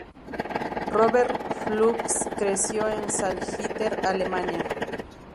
Robert Flux creció en Salzgitter, Alemania.